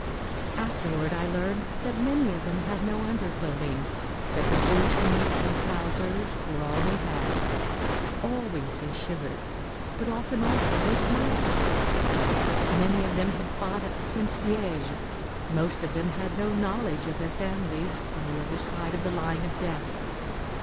Afterward I learned that many of them had no underclothing, that the blue tunics and trousers were all they had. Always they shivered, but often also they smiled. Many of them had fought since Liège; most of them had no knowledge of their families on the other side of the line of death.